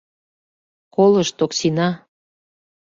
«Колышт, Оксина